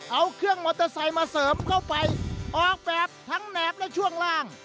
เอาเครื่องมอเตอร์ไซค์มาเสริมเข้าไปออกแบบทั้งแนบและช่วงล่าง